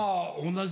同じ？